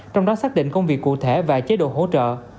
trong đó xác định công việc cụ thể và chế độ hỗ trợ